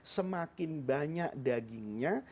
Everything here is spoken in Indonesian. semakin banyak dagingnya